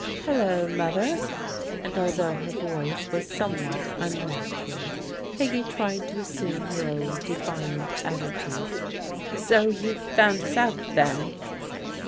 Hello, Mother," and although her voice was some what unnatural, Peggy tried to assume her old defiant attitude. " So you have found us out then?